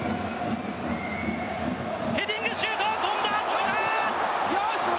ヘディングシュート！